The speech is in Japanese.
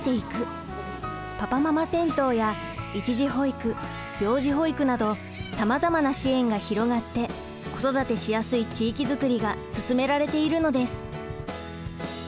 パパママ銭湯や一時保育病児保育などさまざまな支援が広がって子育てしやすい地域づくりが進められているのです。